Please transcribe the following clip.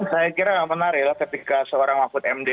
saya kira yang menariklah ketika seorang wakud md